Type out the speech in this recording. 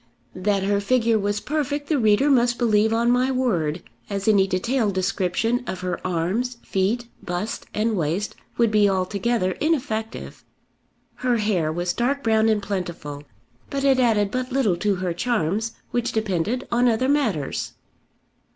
That her figure was perfect the reader must believe on my word, as any detailed description of her arms, feet, bust, and waist, would be altogether ineffective. Her hair was dark brown and plentiful; but it added but little to her charms, which depended on other matters.